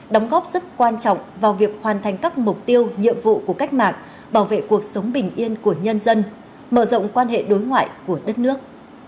đóng góp rất quan trọng vào việc hoàn thành các mục tiêu nhiệm vụ của cách mạng bảo vệ cuộc sống bình yên của nhân dân mở rộng quan hệ đối ngoại của đất nước